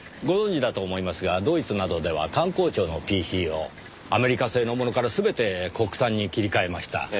ご存じだと思いますがドイツなどでは官公庁のＰＣをアメリカ製のものから全て国産に切り替えました。